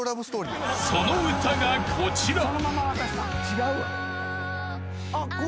［その歌がこちら］